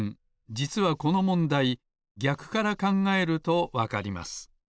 じつはこのもんだいぎゃくからかんがえるとわかります。